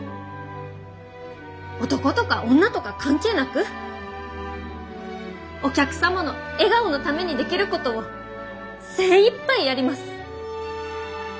男とか女とか関係なくお客様の笑顔のためにできることを精いっぱいやります！